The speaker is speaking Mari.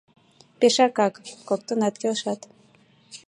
— Пешакак! — коктынат келшат.